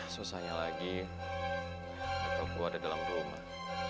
susahnya lagi laptop gue ada dalam rumah